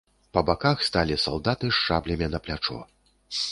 Па баках сталі салдаты з шаблямі на плячо.